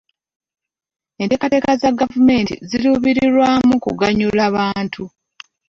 Enteekateeka za gavumenti ziruubirirwamu kuganyula bantu.